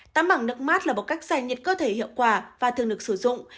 tắm bằng nước mát là một cách giải nhiệt cơ thể hiệu quả và thường được sử dụng